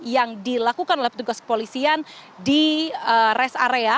yang dilakukan oleh petugas kepolisian di rest area